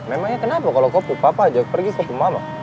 memangnya kenapa kalau kopuh papa ajak pergi kopuh mama